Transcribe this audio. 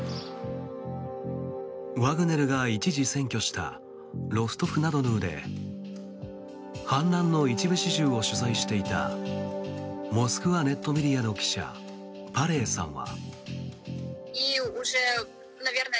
ワグネルが一時、占拠したロストフナドヌーで反乱の一部始終を取材していたモスクワネットメディアの記者パレイさんは。